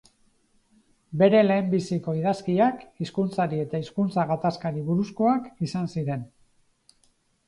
Bere lehenbiziko idazkiak hizkuntzari eta hizkuntza gatazkari buruzkoak izan ziren.